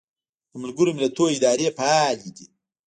د ملګرو ملتونو ادارې فعالې دي